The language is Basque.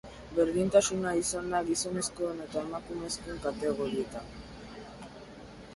Berdintasuna izan da gizonezkoen eta emakumezkoen kategorietan.